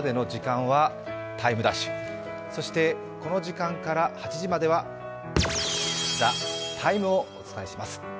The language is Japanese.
そして、この時間から８時までは「ＴＨＥＴＩＭＥ，」をお伝えします。